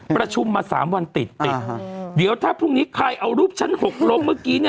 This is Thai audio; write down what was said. ประชุมมา๓วันติดติดเดี๋ยวถ้าพรุ่งนี้ใครเอารูปชั้น๖ลงเมื่อกี้